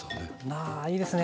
あいいですね